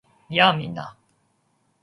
やあ！みんな